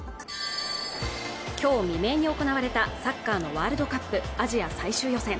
今日未明に行われたサッカーのワールドカップアジア最終予選